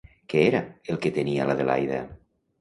Què era el que tenia l'Adelaida?